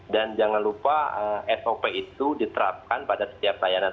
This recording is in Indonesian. dan jangan lupa sop itu diterapkan pada setiap layanan